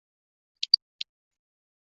当时对他最重要的就是音乐。